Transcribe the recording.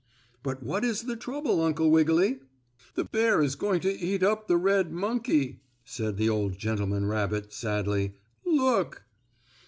"But what is the trouble, Uncle Wiggily?" "The bear is going to eat up the red monkey," said the old gentleman rabbit, sadly. "Look!"